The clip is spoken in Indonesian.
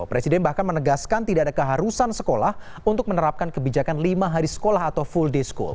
presiden bahkan menegaskan tidak ada keharusan sekolah untuk menerapkan kebijakan lima hari sekolah atau full day school